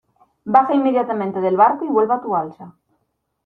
baja inmediatamente del barco y vuelve a tu balsa.